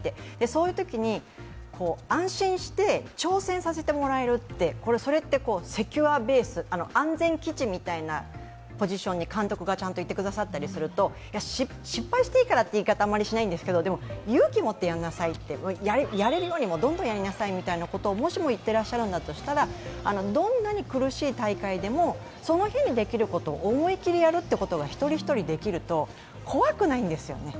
そういうときに、安心して挑戦させてもらえるって、それって、セキュアベース、安全基地みたいなポジションに監督がちゃんといてくださったりすると、失敗していいからという言い方はあまりしないんですけど、でも勇気を持ってやりなさい、やれるようにどんどんやりなさいともしも言ってらっしゃるのだとしたら、どんなに苦しい大会でもその日にできることを思い切りやるということが一人一人できると、怖くないんですよね。